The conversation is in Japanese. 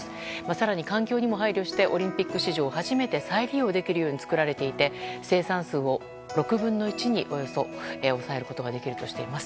更に、環境にも配慮してオリンピック史上初めて再利用できるように作られていて生産数をおよそ６分の１に抑えることができるとしています。